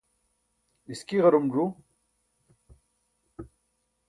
iski ġarum ẓu.